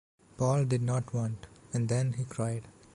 Paul did not want and then he cried.